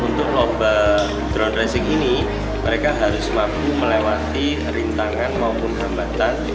untuk lomba drone dressing ini mereka harus mampu melewati rintangan maupun hambatan